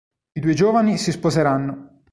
I due giovani si sposeranno.